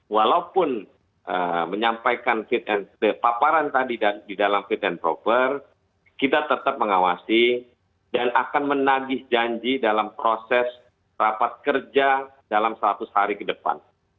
walaupun menyampaikan paparan tadi di dalam fit and proper kita tetap mengawasi dan akan menagih janji dalam proses rapat kerja dalam seratus hari ke depan